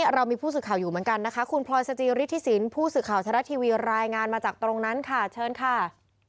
เรามีผู้สื่อข่าวอยู่เหมือนกันนะคะคุณพลอยสจิฤทธิสินผู้สื่อข่าวทรัฐทีวีรายงานมาจากตรงนั้นค่ะเชิญค่ะ